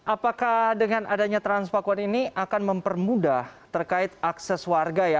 apakah dengan adanya transpakuan ini akan mempermudah terkait akses warga ya